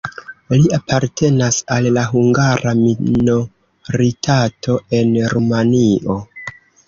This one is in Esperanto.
Li apartenas al la hungara minoritato en Rumanio.